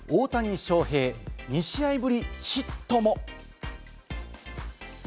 大谷翔平、２試合ぶりヒットも。